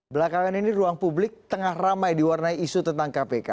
belakangan ini ruang publik tengah ramai diwarnai isu tentang kpk